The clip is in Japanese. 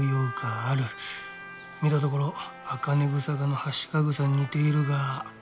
見たところ茜草科のハシカグサに似ているが。